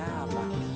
ayah kira siapa